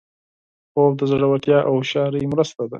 خوب د زړورتیا او هوښیارۍ مرسته ده